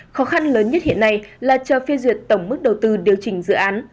khó khăn lớn nhất hiện nay là cho phê duyệt tổng mức đầu tư điều chỉnh dự án